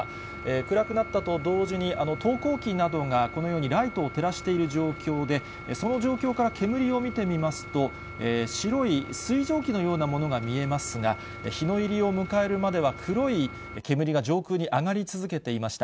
暗くなったと同時に、投光器などがこのようにライトを照らしている状況で、その状況から煙を見てみますと、白い水蒸気のようなものが見えますが、日の入りを迎えるまでは黒い煙が上空に上がり続けていました。